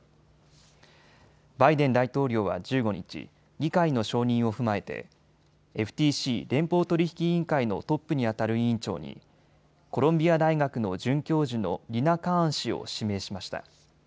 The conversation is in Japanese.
バイデン大統領は１５日、議会の承認を踏まえてＦＴＣ・連邦取引委員会のトップにあたる委員長にコロンビア大学の准教授のリナ・カーン氏を指名しました。